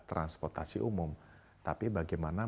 transportasi umum tapi bagaimana